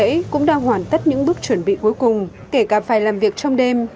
hôm nay cũng đã hoàn tất những bước chuẩn bị cuối cùng kể cả phải làm việc trong đêm